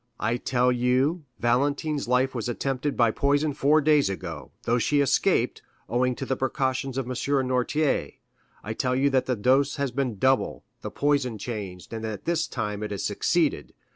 I tell you, Valentine's life was attempted by poison four days ago, though she escaped, owing to the precautions of M. Noirtier. I tell you that the dose has been double, the poison changed, and that this time it has succeeded.